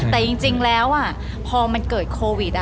แต่จริงแล้วพอมันเกิดโควิด